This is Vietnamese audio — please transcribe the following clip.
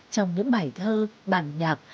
trong những bài thơ bản nhạc